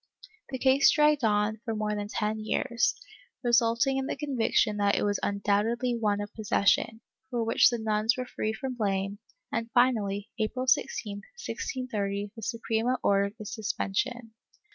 The case dragged on for more than ten years, resulting in the conviction that it was undoubtedly one of possession, for which the nuns were free from blame, and finally, April 16, 1630, the Suprema ordered its suspension.